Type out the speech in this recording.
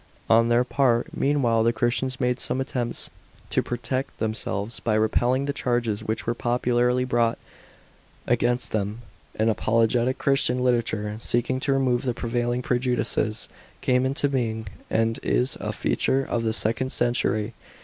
§ 25. On their part, meanwhile, the Christians made some attempts to protect themselves, by repelling the charges which were popularly brought against them. An apologetic Christian literature, seeking to remove the prevailing prejudices, came into being, and is a feature of the second century.